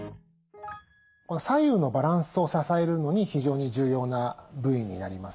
左右のバランスを支えるのに非常に重要な部位になります。